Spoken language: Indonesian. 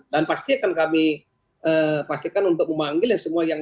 dan pasti akan kami pastikan untuk memanggil yang semua